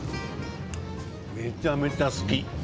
めちゃめちゃ好き。